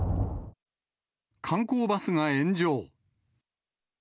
観光バスが炎上。